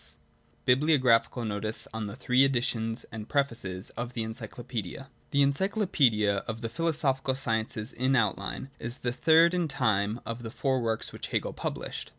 383 387 395 398 406 409 410 417 424 INDEX 433 BIBLIOGRAPHICAL NOTICE ON THE THREE EDITIONS AND THREE PREFACES OF THE ENCYCLOPAEDIA The Encyclopaedia of the Philosophical Sciences IN Outline is the third in time of the four works which Hegel published.